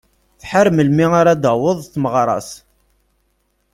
Tḥar melmi ara d-taweḍ tmeɣra-s.